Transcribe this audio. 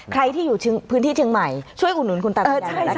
ใครที่อยู่พื้นที่เชียงใหม่ช่วยอุณนุนตาบคนยายอีกแล้ว